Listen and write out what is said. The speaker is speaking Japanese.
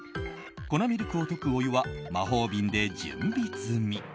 粉ミルクを溶くお湯は魔法瓶で準備済み。